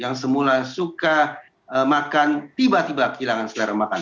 yang semula suka bergaul tiba tiba tidak suka bergaul yang semula suka makan tiba tiba kehilangan selera makan